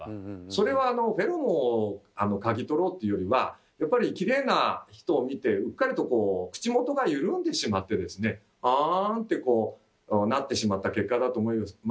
それはあのフェロモンを嗅ぎ取ろうというよりはやっぱりきれいな人を見てうっかりとこうあんってこうなってしまった結果だと思います。